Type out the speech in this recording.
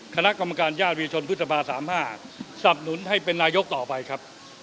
คณะกรรมการญาติวิวชนพฤษภา๓๕สับหนุนให้เป็นนายกต่อไปครับ